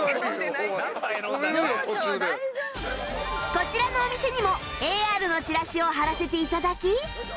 こちらのお店にも ＡＲ のチラシを貼らせて頂き